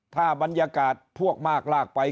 ถ้าบรรยากาศพวกมากลากไป